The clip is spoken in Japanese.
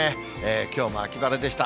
きょうも秋晴れでした。